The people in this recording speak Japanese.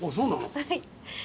はい。